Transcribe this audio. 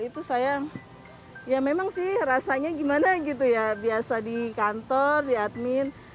itu saya ya memang sih rasanya gimana gitu ya biasa di kantor di admin